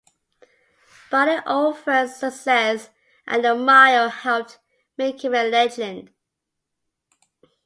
Barney Oldfield's success at the Mile helped make him a legend.